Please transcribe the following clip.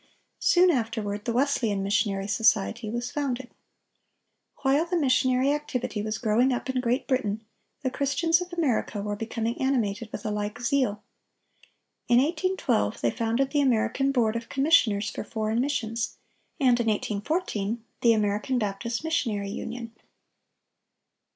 Soon afterward, the Wesleyan Missionary Society was founded. "While the missionary activity was growing up in Great Britain, the Christians of America were becoming animated with a like zeal." In 1812, they founded the American Board of Commissioners for Foreign Missions; and in 1814, the American Baptist Missionary Union.